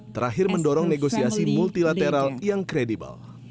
terakhir mendorong negosiasi multilateral yang kredibel